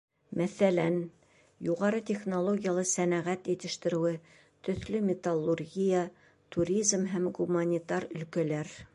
Мәҫәлән, юғары технологиялы сәнәғәт етештереүе, төҫлө металлургия, туризм һәм гуманитар өлкәләр.